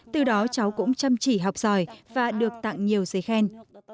từ đó cháu cũng chăm chỉ học giỏi và được tặng nhiều giấy khen